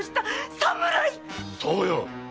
そうよ！